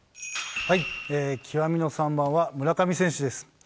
極みの３番は村上選手です。